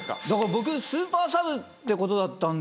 僕スーパーサブってことだったんで。